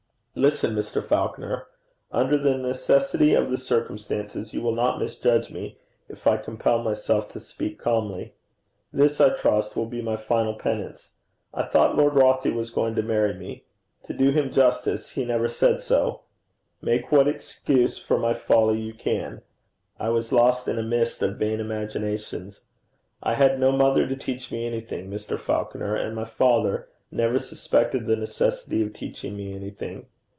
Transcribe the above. Listen, Mr. Falconer: under the necessity of the circumstances you will not misjudge me if I compel myself to speak calmly. This, I trust, will be my final penance. I thought Lord Rothie was going to marry me. To do him justice, he never said so. Make what excuse for my folly you can. I was lost in a mist of vain imaginations. I had had no mother to teach me anything, Mr. Falconer, and my father never suspected the necessity of teaching me anything.